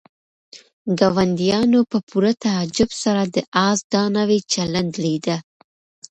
ګاونډیانو په پوره تعجب سره د آس دا نوی چلند لیده.